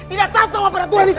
itu ada peraturan itu